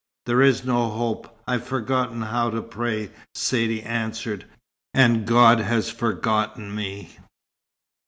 "There is no hope. I've forgotten how to pray," Saidee answered, "and God has forgotten me."